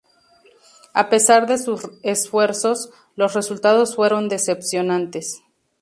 A pesar de sus esfuerzos, los resultados fueron decepcionantes.